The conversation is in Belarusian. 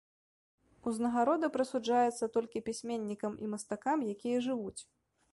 Узнагарода прысуджаецца толькі пісьменнікам і мастакам, якія жывуць.